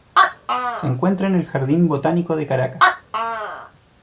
Se encuentra en el Jardín Botánico de Caracas.